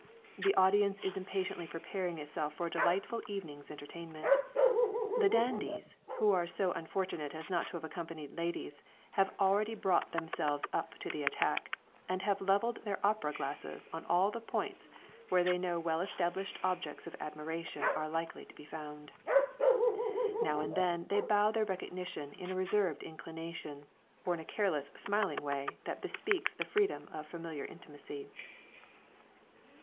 The audience is impatiently preparing itself for a delightful evening's entertainment. The dandies, who are so unfortunate as not to have accompanied ladies have already brought themselves up to the attack, and have levelled their opera glasses on all the points where they know well established objects of admiration are likely to be found. Now and then they bow their recognition in a reserved inclination, or in a careless smiling way that bespeaks the freedom of familiar intimacy.